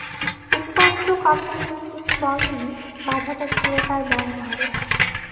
স্পষ্ট কথায় তিনি কিছু বলেন নি, বাধাটা ছিল তাঁর ব্যবহারে।